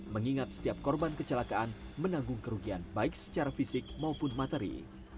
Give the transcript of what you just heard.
mengingat setiap korban kecelakaan menanggung kerugian baik secara fisik maupun materi